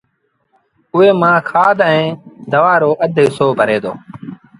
اُئي مآݩ کآڌ ائيٚݩ دوآ رو اڌ هسو ڀري دو